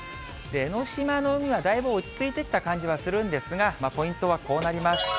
江の島の海はだいぶ落ち着いてきた感じはするんですが、ポイントはこうなります。